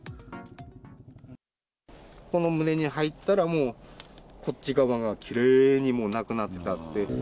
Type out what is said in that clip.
この棟に入ったらもう、こっち側がきれいにもうなくなったって。